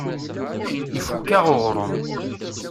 Ifukk-aɣ uɣrum.